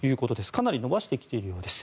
かなり伸ばしてきているようです。